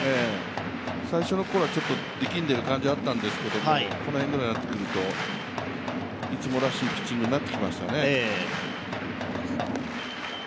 最初の頃は力んでいる感じがあったんだけどもこの辺ぐらいになってくるといつもらしいピッチングになってきましたね。